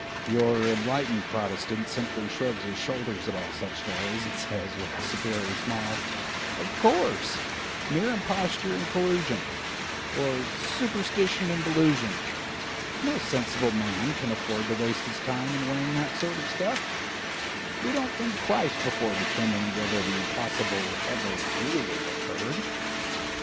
Your enlightened Protestant simply shrugs his shoulders at all such stories, and says with a superior smile: "Of course, mere imposture and collusion, or superstition and delusion; no sensible man can afford to waste his time in weighing that sort of stuff; we don't think twice before determining whether the impossible ever really occurred."